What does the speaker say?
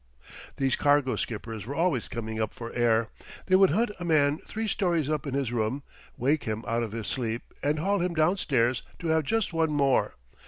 These cargo skippers were always coming up for air. They would hunt a man three stories up in his room, wake him out of his sleep, and haul him down stairs to have just one more.